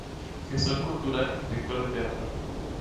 Gestor cultural y director de teatro.